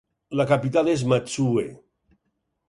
La capital és Matsue.